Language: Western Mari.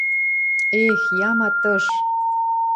– Эх, яматыш!